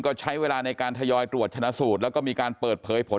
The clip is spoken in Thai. ก็ใช้เวลาในการทยอยตรวจชนะสูตรแล้วก็มีการเปิดเผยผล